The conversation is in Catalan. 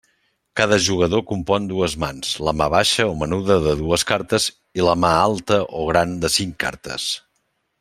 Cada jugador compon dues mans: la mà baixa o menuda de dues cartes, i la «mà» alta o gran de cinc cartes.